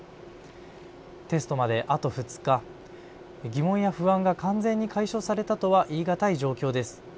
テストまであと２日、疑問や不安が完全に解消されたとは言い難い状況です。